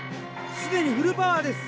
既にフルパワーです！